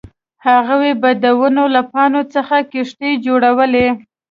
هغوی به د ونو له پاڼو څخه کښتۍ جوړولې